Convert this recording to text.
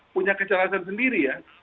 punya kecerdasan sendiri ya